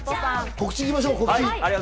告知いきましょう。